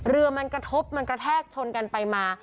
เรือมันกระทบมันกระแทกชนกันไปมา